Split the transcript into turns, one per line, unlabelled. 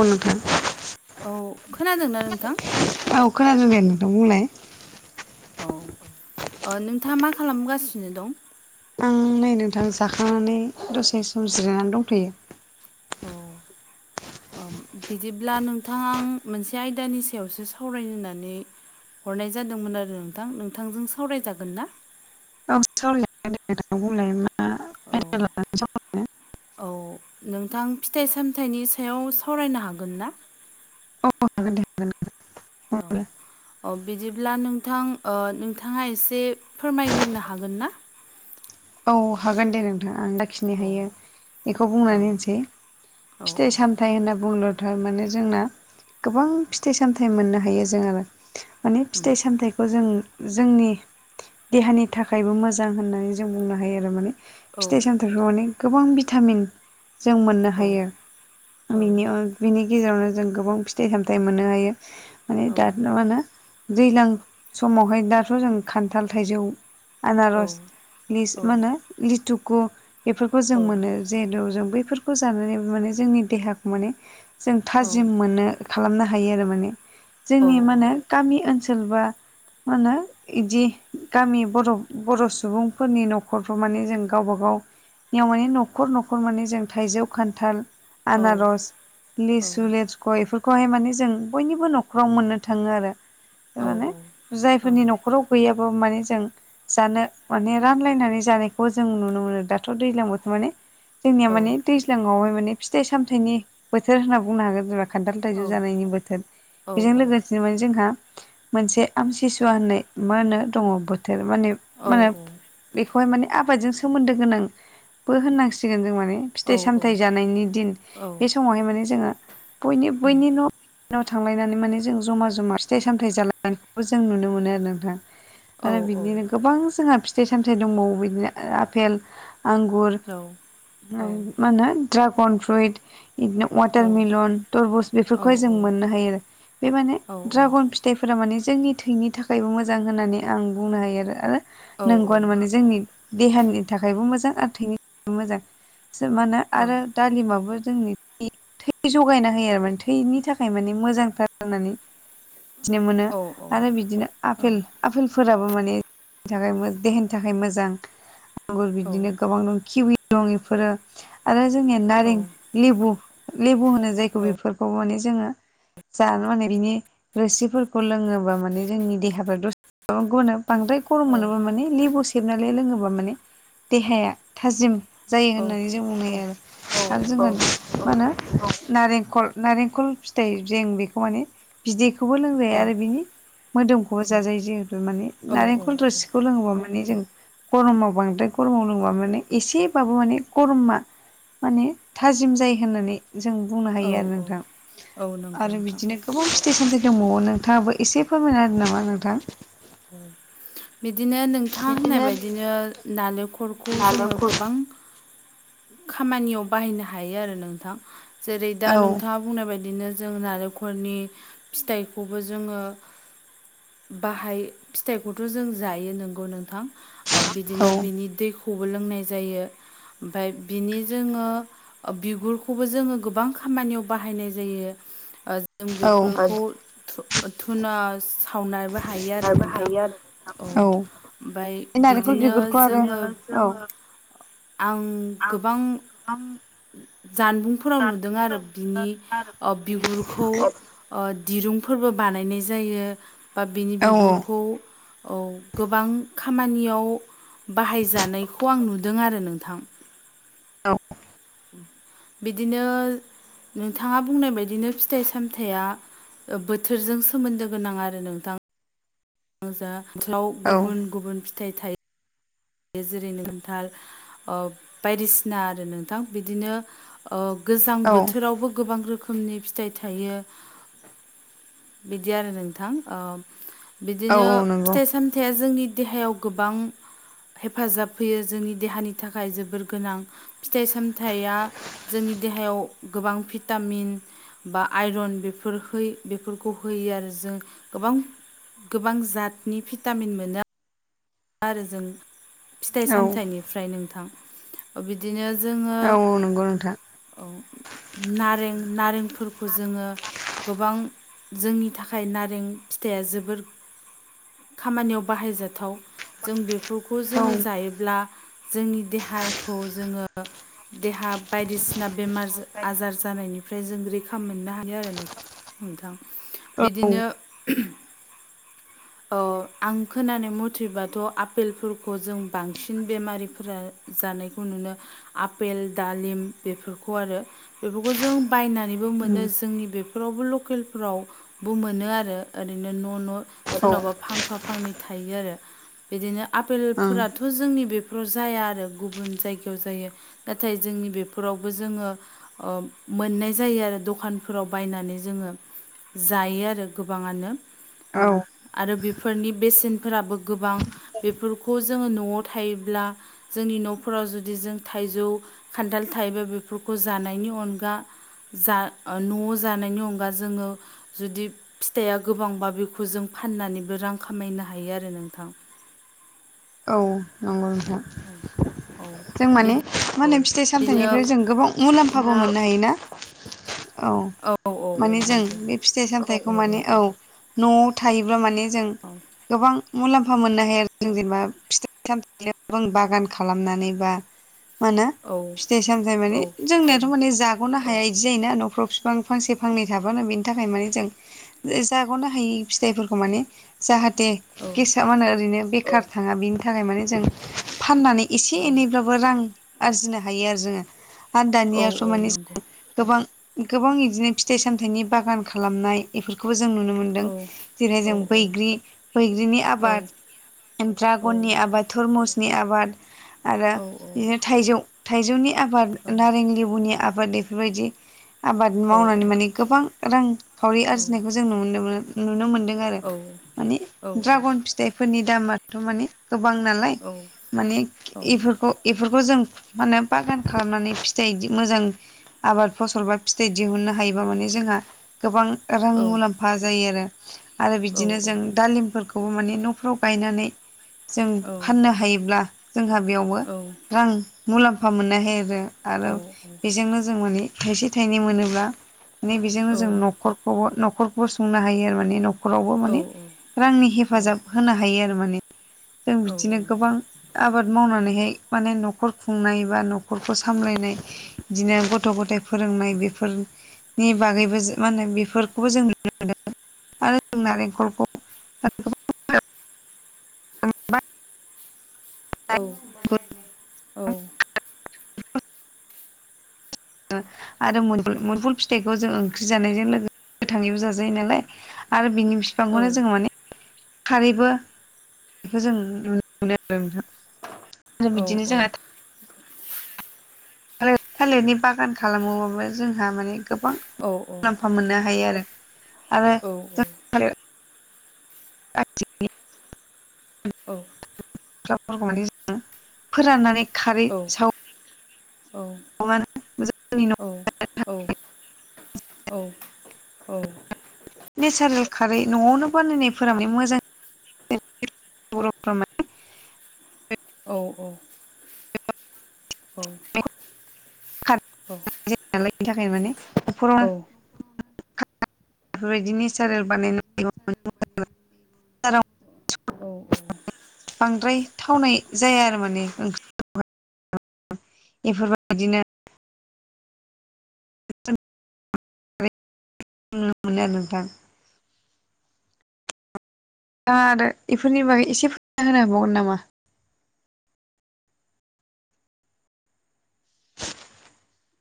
औ नोंथां
औ खोनादोंना नोंथां
खोनादोंदे नोंथां बुंलाय
औ नोंथाङा ओ मा खालामगासिनो दं
आं नै नोंथां जाखांनानै दसे सम जिरायनानै दंथ'यो
औ औ बिदिब्ला नोंथाङा आं मोनसे आयदानि सायावसो सावरायनानै हरनाय जादोंमोन आरो नोंथां नोंथांजों सावरायजागोन ना
औ सावराय जागोन दे नोंथां बुंलाय मा
औ
[unintelligible]
औ नोंथां फिथाइ सामथाइनि सायाव सावरायनो हागोन ना
अ हागोन दे हागोन
औ
बुंलाय।
अ बिदिब्ला नोंथां ओ नोंथाङा एसे फोरमायग्रोनो हागोन ना
औ हागोन दे नोंथां आं दाखिनो
औ
हायो बेखौ
औ
बुंनानै होनसै
औ
फिथाइ साम थाइ होनना बुंनोथ माने जोंना गोबां फिथाइ सामथाइ मोननो हायो जों आरो माने
उम
फिथाइ सामथाइखौ जों जोंनि देहानि थाखायबो मोजां होननाय जों बुंनो हायो आरो माने
औ
फिथाइ सामथाइ माने गोबां भिटामिन जों मोननो हायो [unintelligible]
औ
बिनि गेजेरावनो जों गोबां फिथाइ सामथायाइ मोननो हायो माने दाथ म
औ
होनो दैज्लां समावहाय दाथ' जों खान्थाल, थाइजौ, आनारस लिस मा होनो
औ
लिटुकु बेफोरखौ जों
औ
मोनो। जहेदु जों बैफोरखौ जानानै माने जोंनि देहाखौ माने जों
औ
थाजिम मोनो। खालामनो हायो आरो माने
औ
जोंनि मा नो गामि ओनसोल बा मा होनो बिदि गामि बर'- बर' सुबुं फोरनि न'खरफ्राव माने जों गावबा गाव नियाव माने न'खर न'खर माने जों थाइजौ खान्थाल आनारस लिसु लेस ग' बेफोरखौहाय माने जों बयनिबो न'खराव मोननो थाङो आरो। माने जायफोरनि न'खराव गैयाबा माने जों जानो माने रानलायनानै जानायखौ जों नुनो मोनो दाथ' दैजलां बोथ' माने जोंनिया माने दै सिगावहाय माने फिथाइ सामथाइनि बोथोर होनना बुंनो हागोन जेनब खान्थाल थाइजौ जानायनि बोथोर बेजों लोगो ज जोंहा मोनसे आमसिसुवा होननाय मा होनो दङ बोथोर माने मानो बेखौहाय माने आबादजों सोमोन्दो गोनांबो होननांसिगोन जों माने। फिथाइ सामथाइ जानायनि दिन बे समावहाय माने जोङो बयनि बैयनि न' नाव थांलायनानै माने जों जमा जमा फिथाइ सामथाय जालानायखौबो जों नुनो मोनो आरो नोंथां। आरो बिदिनो गोबां जोंहा फिथाइ सामथायाइ दंबावो बिदिनो आफेल, आंगुर मा होनो दड्रागन फ्रुइट इदिनो वाटारमेलन तरबुस बेफोरखौहाय जों मोननो हायो आरो बे माने ड्रागन फिथाइफोरा माने जोंनि थैनि थाखायबो मोजां होननानै आं बुंनो हायो। आरो आरो नंगौआनो माने जोंनि देहानि थाखायबो मोजां आरो थैनि मोजां सो मा ना आरो दालिमाबो जोंनि थै जगायना होयो आरो माने थैनि थाखाय माने मोजांथार होननानै थिनो मोनो
औ औ औ
आरो बिदिनो आफेल आफेलफोराबो माने जनि थाखाय मोज देहानि थाखाय मोजां आंगुर बिदिनो गोबां दं किवि दं एफोरो आरो जोंनिया नारें लेबु-लेबु होनो जायखौ बेफोरखौ माने जोङो जानो माने बिनि रोसिफोरखौ लोङोबा माने जोंनि देहाफा द गनोब बांद्राय गरम मोनोब्ला माने लेबु सेबनानै लोङोब्ला माने देहाया थाजिम जायो होननानै जों बुंनो हायो आरो। आरो जोङो मा होनो नारेंखल-नारेंखल फिथाइ जों बेखौ माने बिदैखौबो लोंजायो आरो बिनि मोदोमखौबो जाजायो जिहेतु माने नारेंखल रोसि खौ लोङोबा माने जों गरमाव बांद्राय गरमाव लोंङोबा माने एसेबाबो माने गरमा माने थाजिम जायो होननानै जों बुंनो हायो आरो नोंथां।
नंगौ
आरो
नोंथां
बिदिनो गोबां फिथाइ सामथाय दंबावो नोंथाङाबो एसे फोरमायना होनो नामा नोंथां।
बिदिनो नोंथाङा होननाय बायदिनो नालेरखौ जोङो गोबां खामानियाव बाहायनो हायो आरो नोंथां जेरै दा
औ
नोंथाङा बुंनाय बायदिनो जों नालेंखलनि फिथाइखौबो जोङो बाहाय फिथाइखौथ' जों जायो नोंगौ नोंथां।
औ
ओबिदिनो बिनि दैखौबो लोंनाय जायो। ओमफाय बिनि जोङो ओ बिगुरखौबो जोङो गोबां खामानियाव बाहायनाय जायो। ओ जों
औ
बेफोरखौ धु- धुना सो खावनायबो हायो आरो नोंथां औ। ओमफाय
बे नारेंखल
बिदिनो
बिगुरखौ आरो
जोङो
औ।
आं गोबां
आं
जानबुंफोराव नुदों आरो बिनि अबिगुरखौ अ दिरुंफोरबो बानायनाय जायो। बा बिनि
औ
बिगुरखौ औ गोबां खा खामानियाव बाहायजानायखौ आं नुदों आरो नोंथां।
औ
बिदिनो नोंथाङा बुंनाय बायदिनो फिथाइ सामथाइया। ओ बोथोरजों सोमोन्दो गोनां आरो नोंथां। ओजा बुथुमाव
औ
गुबुन गुबुन फिथाइ थायो। जेरै नोंथां अ बायदिसिना आरो नोंथां बिदिनो। अ गोजां
औ
बोथोरावबो गोबां रोखोम खोमनि फिथाइ थायो बिदि आरो नोंथां ओम
औ
बिदिनो
नंगौ
फिथाइ सामथाइया जोंनि देहायाव गोबां। हेफाजाब होयो जोंनि देहानि थाखाय जोबोर गोनां फिथाइ सामथाइया। जोंनि देहायाव गोबां भिटामिन। बा आइरन बेफोरखै बेफोरखौ होयो आरो जों गोबां गोबां जातनि भिटामिन मोनो आरो जों फिथाइ
औ
सामथाइनिफ्राय नोंथां। ओ बिदिनो जोङो।
औ नंगौ नोंथां
औ नारें नारेंफोरखौ जोङो। गोबां जोंनि थाखाय नारें फिथाइया जोबोर खामानियाव बाहायजाथाव जों बेफोरखौ
औ
जोङो जायो ब्ला जोंनि देहाखौ जोङो देहा बायदिसिन ना बेमारस आजार जानायनिफ्राय जों रैखा मोननो हायो आरो नों नोंथां
औ औ
बिदिनो [unintelligible] अ आं खोनानो मथेबाथ' आपेलफोरखौ जों बांसिन बेमारिफोरा जानायखौ नुनो आपेल दालिम बेफोरखौ आरो बेफोरखौ जों बायनानै बो मोनो जोंनि बेफोरावबो लकेलफोरावबो मोनो आरो ओरैनो न' न' सोरनावबा फांफा फांनै थायो आरो बिदिनो आपेलफोराथ फोर जोंनि बेफोराव जाया आरो गुबुन जायगायाव जायो नाथाय जोंनि बेफोरावबो जोङो अ मोननाय जायो आरो दखानफोराव बायनानै जोङो जायो आरो गोबाङानो
औ
आरो बेफोरनि बेसेनफोराबो गोबां बेफोरखौ जोङो न'आव थायोब्ला जोंनि न'फोराव जुदि जों थाइजौ खान्थाल थायोबा बेफोरखौ जानायनि अनगा जा ओ न'आव जानायनि अनगा जोङो जुदि फिथाइआ गोबांबा बेखौ जों फाननानैबो रां खामायनो हायो आरो नोंथां
औ नंगौ नोंथा
औ
जों माने मा होनो फिथाइ
बिदिनो
सामथायाइनिफ्राय जों गोबां मुलाम्फाबो मोननो हायोना औ
औ औ
माने जों
नंगौ
बे फिथाइ सामथायाइखौ माने औ न'आव थायोब्ला माने जों
औ
गोबां मुलाम्फा मोननो हायो आरो जों जेनेबा फिथाइ सामथायनि बागान खालामनानै बा मा होनो
औ
फिथाइ सामथाइ
औ
माने जोंनियाथ' माने जाग ग'नो हाया इदि जायोना न'फ्राव बिफां फांसे फांनै थाबानो बेनि थाखाय माने जों ओ जाग'नो हायि फिथाइफोरखौ माने जाहाथे
औ
गेसवआनो ओरैनो बेखार थाङा बिनि थाखाय माने जों फाननानै एसे एनैब्लाबो रां आरजिनो हायो आरो जोङो आरो
औ
दानियाथ'
औ
माने
नंगौ
गोबां गोबां इदिनो फिथाइ सामथाइनि बागान खालामनाय इफोरखौबो जों नुनो मोनदों
औ
जेरै
औ
जों बैग्रि बैग्रिनि
औ
आबाद
औ
ड्रागननि आबाद थरमुसनि आबाद आरो बिदिनो थाइजौ थाइजौनि आबाद
औ
नारें लेबुनि आबाद इफोरबायदि आबाद
औ औ
मावनानै माने गोबां रांखावरि
औ
आरजिनायखौ जों नुनो मोनो नुनो मोन्दों आरो
औ
माने द्रागन फिथाइ फोरनि दामाथ' माने गोबां नालाय माने
औ
एफोरखौ एफोरखौ जों माने बागान खालामनानै फिथाइ इदि मोजां आबाद फसल बा फिथाइ दिहुननो हायोबा माने जोंहा गोबां रां मुलाम्फा जायो आरो आरो बिदिनो जों दालिमफोर खौ माने न'फ्राव गायनानै जों फाननो हायोब्ला जोंहा बेयावबो रां मुलाम्फा मोननो हायो आरो। आरो बेजोंनो जों माने थाइसे थाइनै मोनोब्ला माने बेजोंनो जों
औ
न'खर खौबो न'खरखौबो संनो हायो आरो माने न'खरावबो माने
औ
रांनि हेफाजाब होनो हायो आरो माने जों बिदिनो गोबां आबाद मावनानैहाय माने न'खर खुंनाय बा न'खरखौ सामलायनाय इदिनो गथ' गथाय फोरोंनाय बेफोर नि बागैबो जो मा होनो बेफोरखौबो जों नुनो मोनदों। आरो जों नारेंखलखौ [unintelligible] [unintelligible]
औ औ।
ओं आरो मुदुफुल मुदुफुल फिथाइखौ जों ओंख्रि जानायजों लोगो गोथाङैबो जाजायो नालाय। आरो बेनि बिफांखौनो जोङो माने खारैबो बेखौ जों नुनो मोनो आरो नोंथां। आरो बिदिनो जोंहा [unintelligible] थालिरनि बागान खालामोबाबो जोंहा माने गोबां [unintelligible] लाम्फा मोननो हायो आरो आरो [unintelligible]
औ।
फोरखौ माने जों फोराननानै खारै
औ औ।
[unintelligible] जोंनि न'
औ औ औ औ।
नेचारेल खारै न'आवनो बानायनायफोरा माने मोजां [unintelligible]
औ औ। औ।
माने खारै जायो नालाय बेनि थाखायनो माने [unintelligible] [unintelligible] बेफोरबायदि नेचारेल बानायनां [unintelligible] [unintelligible]
औ औ।
बांद्राय थावनाय जाया आरो माने ओं एफोरबायदिनो [unintelligible] नुनो मोनो आरो नोंथां। थांङा आरो एफोरनि बागै एसे फोरमायना होनो हाबावगोन नामा?